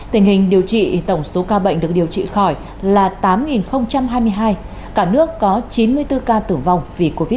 tình hình điều trị tổng số ca bệnh được điều trị khỏi là tám hai mươi hai cả nước có chín mươi bốn ca tử vong vì covid một mươi chín